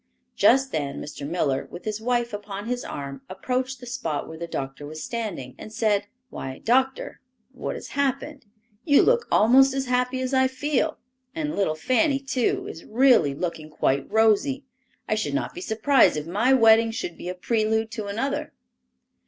Just then Mr. Miller, with his wife upon his arm, approached the spot where the doctor was standing, and said, "Why, doctor, what has happened? You look almost as happy as I feel. And little Fanny, too, is really looking quite rosy. I should not be surprised if my wedding should be a prelude to another."